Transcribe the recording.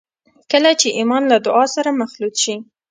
کله چې ایمان له دعا سره مخلوط شي